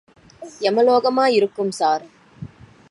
எமலோகமா இருக்கும் சார்!